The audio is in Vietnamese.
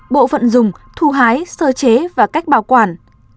bộ phận dùng thu hái sơ chế và cách bảo quản